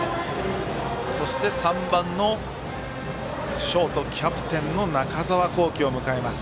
そして、３番のショートキャプテンの中澤恒貴を迎えます。